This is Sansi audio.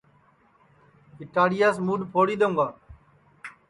اِٹاڑِیاس مُوڈؔ پھوڑی دؔیؤں گا